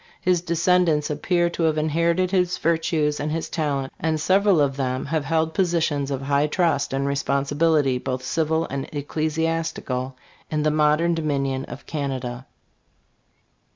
His descendants appear to have inherited his virtues and his talent, and several of them have held positions of high trust and responsibility, both civil and ecclesiastical, in the modern Do minion of Canada.